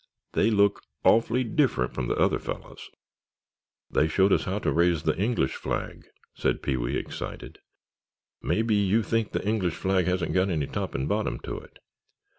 They look awfully different from the other fellows——" "They showed us how to raise the English flag," said Pee wee, excitedly. "Maybe you think the English flag hasn't got any top and bottom to it.